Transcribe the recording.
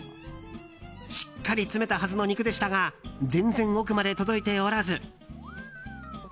しっかり詰めたはずの肉でしたが全然、奥まで届いておらず。